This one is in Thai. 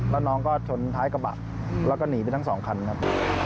แล้วน้องก็ชนท้ายกระบะแล้วก็หนีไปทั้งสองคันครับ